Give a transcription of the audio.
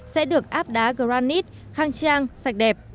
sẽ được áp đá granite khang trang sạch đẹp